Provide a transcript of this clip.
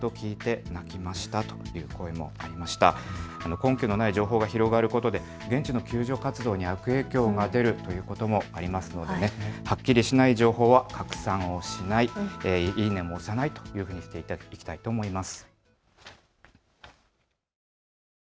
根拠のない情報が広がることで現地の救助活動に悪影響を与えるということもありますのではっきりしない情報は拡散をしない、いいねも押さないというふうにしていきたいと思います。